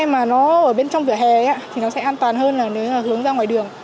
nhưng mà nó ở bên trong vỉa hè thì nó sẽ an toàn hơn nếu hướng ra ngoài đường